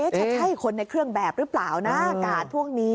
จะใช่คนในเครื่องแบบหรือเปล่านะอากาศพวกนี้